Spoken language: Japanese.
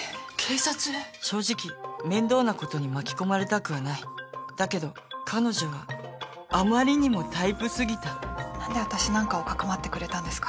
正直面倒なことに巻き込まれたくはないだけど彼女はあまりにもタイプ過ぎた何で私なんかを匿ってくれたんですか？